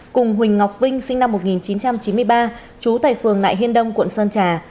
cùng huỳnh ngọc vinh sinh năm một nghìn chín trăm chín mươi ba trú tại phường nại hiên đông quận sơn trà